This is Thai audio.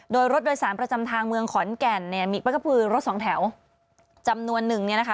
โดยรถโดยสารประจำทางเมืองขอนแก่นเนี่ยก็คือรถสองแถวจำนวนนึงเนี่ยนะคะ